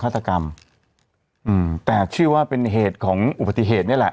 ฆาตกรรมอืมแต่เชื่อว่าเป็นเหตุของอุบัติเหตุนี่แหละ